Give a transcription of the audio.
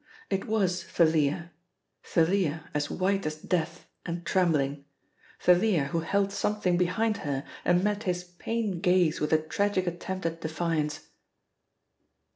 It was Thalia Thalia as white as death and trembling. Thalia who held something behind her and met his pained gaze with a tragic attempt at defiance.